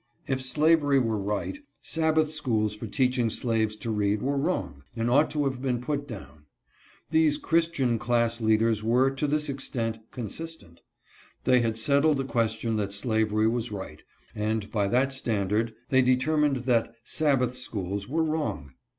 If slavery were right, Sabbath schools for teaching slaves to read were wrong, and ought to have been put down. These Christian class leaders were, to this extent, consistent. They had settled the question that slavery was right, and by that standard they determined that Sabbath schools were wrong.